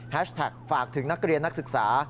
แท็กฝากถึงนักเรียนนักศึกษา